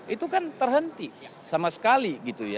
itu kan terhenti sama sekali